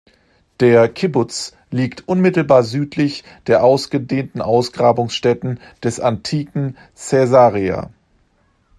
Der Kibbuz liegt unmittelbar südlich der ausgedehnten Ausgrabungsstätten des antiken Caesarea.